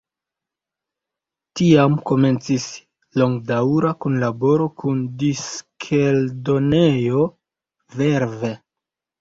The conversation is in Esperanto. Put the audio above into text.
Tiam komencis longdaŭra kunlaboro kun diskeldonejo Verve.